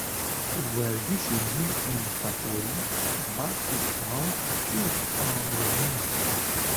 Werzişên min ên favorî basketbol û avjenî ne.